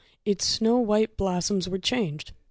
— its snow white blossoms were changed!